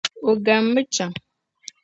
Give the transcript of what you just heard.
O gammi chɛŋ.